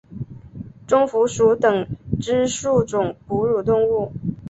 棕蝠属等之数种哺乳动物。